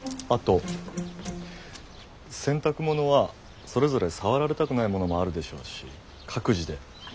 あと洗濯物はそれぞれ触られたくないものもあるでしょうし各自で。